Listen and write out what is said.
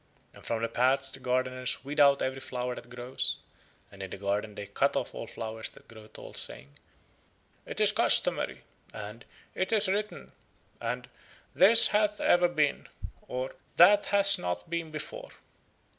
And from the paths the gardeners weed out every flower that grows, and in the garden they cut off all flowers that grow tall, saying: "It is customary," and "it is written," and "this hath ever been," or "that hath not been before."